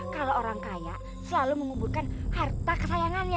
kalau orang kaya selalu menguburkan harta kesayangannya